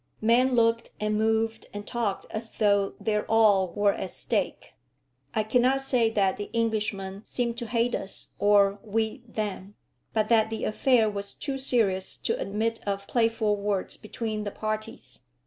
Men looked, and moved, and talked as though their all were at stake. I cannot say that the Englishmen seemed to hate us, or we them; but that the affair was too serious to admit of playful words between the parties.